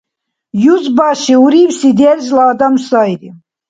Юзбаши урибси держла адам сайри.